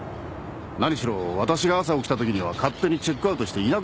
何しろ私が朝起きた時には勝手にチェックアウトしていなくなってたんですから。